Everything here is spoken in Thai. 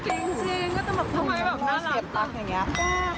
ทำไมแบบน่ารัก